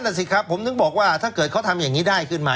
นั่นสิครับผมถึงบอกว่าถ้าเกิดเขาทำอย่างนี้ได้ขึ้นมา